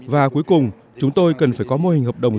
và cuối cùng chúng tôi cần phải có mô hình hợp đồng